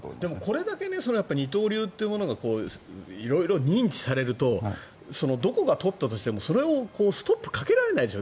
これだけ二刀流というものが色々、認知されるとどこが取ったとしてもそれをストップかけられないでしょ。